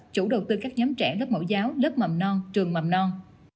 chủ đầu tư các nhóm trẻ lớp mẫu giáo lớp mầm non trường mầm non